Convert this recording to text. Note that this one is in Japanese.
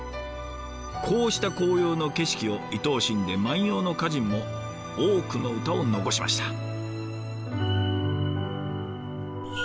こうした紅葉の景色を愛おしんで万葉の歌人も多くの歌を残しました。